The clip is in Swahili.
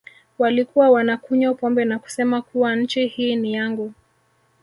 Walikuwa wanakunywa pombe na kusema kuwa nchi hii ni yangu